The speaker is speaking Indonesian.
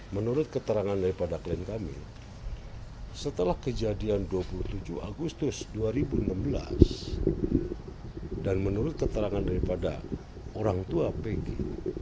menurut keterangan daripada klien kami setelah kejadian dua puluh tujuh agustus dua ribu enam belas dan menurut keterangan daripada orang tua pg